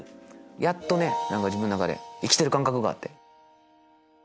やっとね自分の中で生きてる感覚があって。